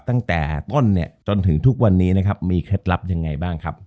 ตั้งแต่ต้นจนถึงทุกวันนี้มีเคล็ดลับยังไงบ้างครับ